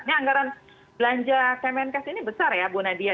ini anggaran belanja kemenkes ini besar ya bu nadia